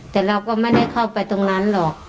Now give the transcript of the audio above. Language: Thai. แต่เราก็ไม่ได้เข้าไปตรงนั้นหรอก